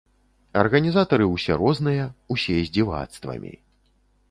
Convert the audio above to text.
Арганізатары ўсе розныя, усе з дзівацтвамі.